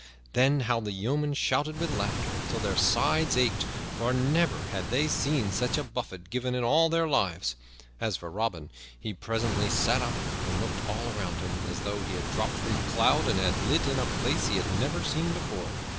Then how the yeomen shouted with laughter till their sides ached, for never had they seen such a buffet given in all their lives. As for Robin, he presently sat up and looked all around him, as though he had dropped from a cloud and had lit in a place he had never seen before.